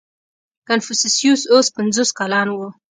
• کنفوسیوس اوس پنځوس کلن و.